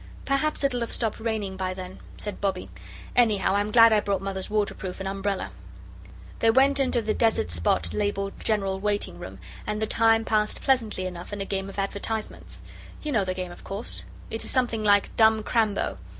"Perhaps it'll have stopped raining by then," said Bobbie; "anyhow, I'm glad I brought Mother's waterproof and umbrella." They went into the desert spot labelled General Waiting Room, and the time passed pleasantly enough in a game of advertisements. You know the game, of course? It is something like dumb Crambo.